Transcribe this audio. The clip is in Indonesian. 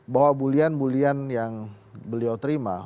bahwa bullyan bullyan yang beliau terima